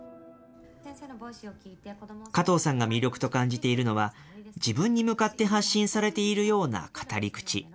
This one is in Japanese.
加藤さんが魅力と感じているのは、自分に向かって発信されているような語り口。